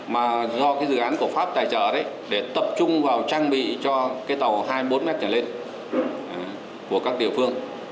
mà do dự án của pháp tài trợ để tập trung vào trang bị cho tàu hai mươi bốn m nhảy lên của các địa phương